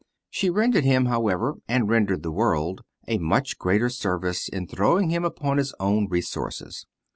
She rendered him, however, and rendered the world, a much greater service in throwing him upon his own resources.